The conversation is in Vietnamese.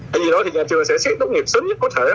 thì nhà trường sẽ xét tốt nghiệp sớm nhất có thể